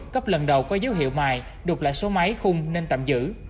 cấp lần đầu có dấu hiệu mài đục lại số máy khung nên tạm giữ